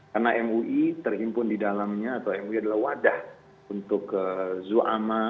karena mui terimpun di dalamnya atau mui adalah wadah untuk zu'ama